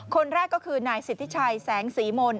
คนแรกก็คือนายสิทธิชัยแสงศรีมนต